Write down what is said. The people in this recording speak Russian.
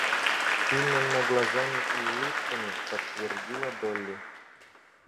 Именно глазами и улыбками, — подтвердила Долли.